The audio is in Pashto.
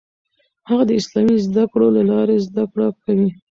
هغه د اسلامي زده کړو له لارې زده کړه کوي.